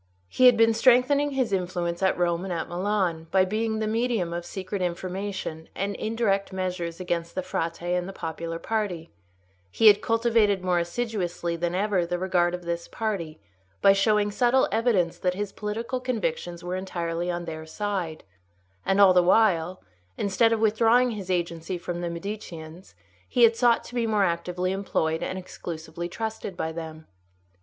He had been strengthening his influence at Rome and at Milan, by being the medium of secret information and indirect measures against the Frate and the popular party; he had cultivated more assiduously than ever the regard of this party, by showing subtle evidence that his political convictions were entirely on their side; and all the while, instead of withdrawing his agency from the Mediceans, he had sought to be more actively employed and exclusively trusted by them.